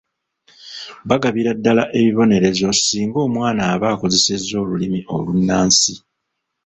Bagabira ddala ebibonerezo singa omwana aba akozesezza olulimi olunnansi.